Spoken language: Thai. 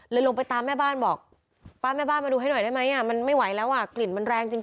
เลยลงไปตามแม่บ้านบอกป๊าแม่บ้านมาดูให้หน่อยได้ไหม